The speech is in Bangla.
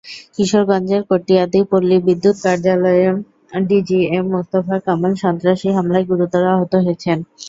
কিশোরগঞ্জের কটিয়াদী পল্লী বিদ্যুৎ কার্যালয়ের ডিজিএম মোস্তফা কামাল সন্ত্রাসী হামলায় গুরুতর আহত হয়েছেন।